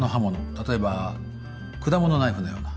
例えば果物ナイフのような。